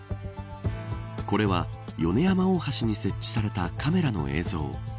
これは、米山大橋に設置されたカメラの映像。